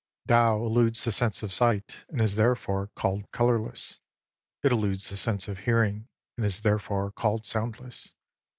19 Tao eludes the sense of sight, and is therefore called colourless. It eludes the sense of hearing, and is therefore called soundless.